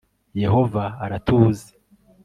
yehova aratuzi